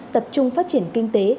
tập trung phát triển kinh tế